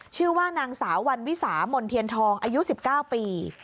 ชื่อว่านางสาววันวิสามนเทียนทองอายุ๑๙ปี